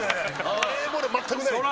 バレーボールはまったくない。